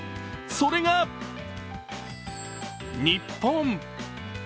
それが、日本。